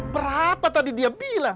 berapa tadi dia bilang